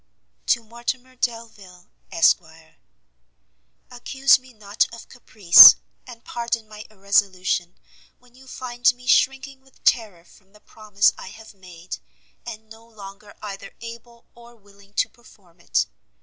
To Mortimer Delvile, Esq. Accuse me not of caprice, and pardon my irresolution, when you find me shrinking with terror from the promise I have made, and no longer either able or willing to perform it.